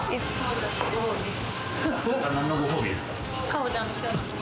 何のご褒美ですか？